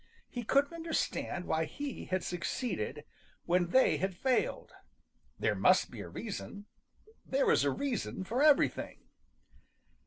He couldn't understand why he had succeeded when they had failed. There must be a reason. There is a reason for everything.